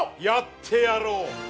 やってやろう。